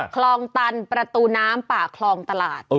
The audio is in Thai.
คลองตันประตูน้ำป่าคลองตลาด